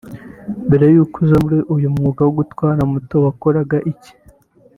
Mbere y’uko uza muri uyumwuga wo gutwara moto wakoraga iki